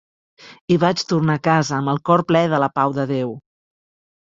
I vaig tornar a casa amb el cor ple de la pau de Déu.